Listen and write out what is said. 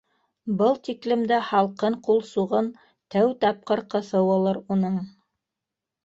Был тиклем дә һалҡын ҡул суғын тәү тапҡыр ҡыҫыуылыр уның.